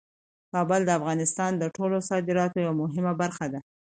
کابل د افغانستان د ټولو صادراتو یوه مهمه برخه ده.